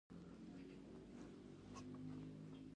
آیا سوالګر ټول شوي؟